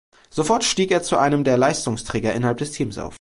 Sofort stieg er zu einem der Leistungsträger innerhalb des Teams auf.